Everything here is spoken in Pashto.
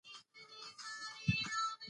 ښوونې د ماشوم اخلاق پياوړي کوي.